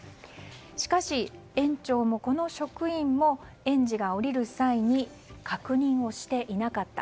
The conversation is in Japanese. しかし、園長もこの職員も園児が降りる際に確認をしていなかった。